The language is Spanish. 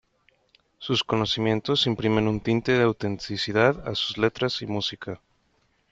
Sus conocimientos imprimen un tinte de autenticidad a sus letras y música.